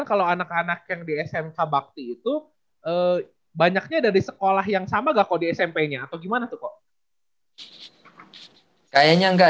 almunis seman sembilan semua itu